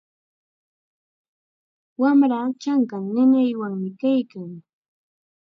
Wamraa chanka nanaywanmi kaykan.